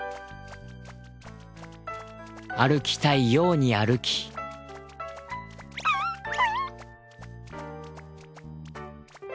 歩きたいように歩きキュフ。